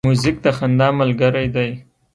موزیک د خندا ملګری دی.